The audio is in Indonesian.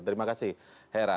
terima kasih hera